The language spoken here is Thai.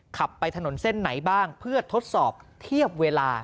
ขับไปถนนเส้นไหนบ้างเพื่อทดสอบเทียบเวลา